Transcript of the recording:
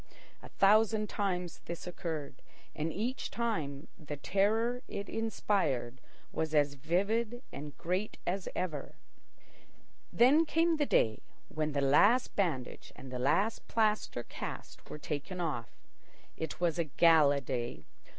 A thousand times this occurred, and each time the terror it inspired was as vivid and great as ever. Then came the day when the last bandage and the last plaster cast were taken off. It was a gala day.